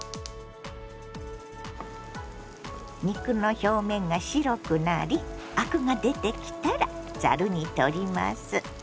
肉の表面が白くなりアクが出てきたらざるにとります。